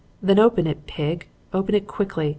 "'Then open it, pig! Open it quickly!